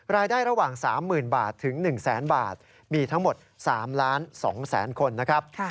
รายได้ระหว่าง๓๐๐๐บาทถึง๑แสนบาทมีทั้งหมด๓๒๐๐๐คนนะครับ